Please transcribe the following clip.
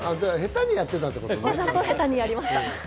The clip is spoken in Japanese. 下手にやってたってことね。